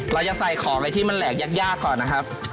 เราจะใส่ของอะไรที่มันแหลกยากก่อนนะครับ